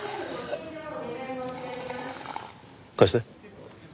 貸して。